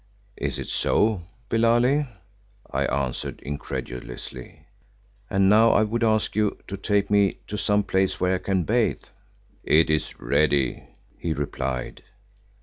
"Is it so, Billali?" I answered incredulously. "And now, I would ask you to take me to some place where I can bathe." "It is ready," he replied.